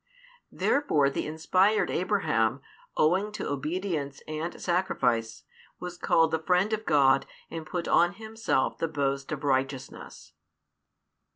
Therefore the inspired Abraham, owing to obedience and sacrifice, was called the friend of God and put on himself the boast of righteousness.